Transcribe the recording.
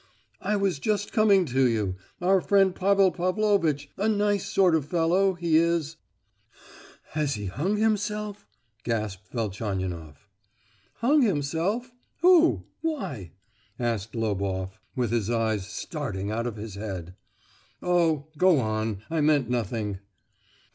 "I was just coming to you. Our friend Pavel Pavlovitch—a nice sort of fellow he is——" "Has he hung himself?" gasped Velchaninoff. "Hung himself? Who? Why?" asked Loboff, with his eyes starting out of his head. "Oh! go on, I meant nothing!"